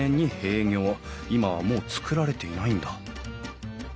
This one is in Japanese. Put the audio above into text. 今はもう造られていないんだ